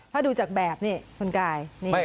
ถ้าดูจากแบบนี้คุณกาย